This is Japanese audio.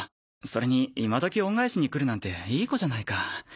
それに今時恩返しにくるなんていい子じゃないか